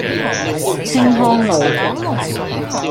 青康路